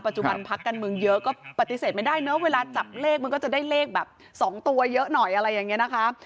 จุบันพักการเมืองเยอะก็ปฏิเสธไม่ได้เนอะเวลาจับเลขมันก็จะได้เลขแบบ๒ตัวเยอะหน่อยอะไรอย่างนี้นะคะ